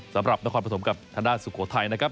สำหรับนครปฐมกับทางด้านสุโขทัยนะครับ